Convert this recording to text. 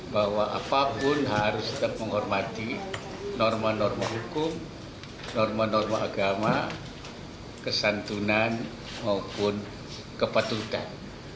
bahwa apapun harus tetap menghormati norma norma hukum norma norma agama kesantunan maupun kepatutan